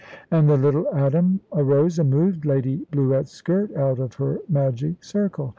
And the little atom arose and moved Lady Bluett's skirt out of her magic circle.